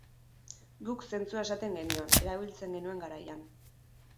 Guk zentzua esaten genion, erabiltzen genuen garaian.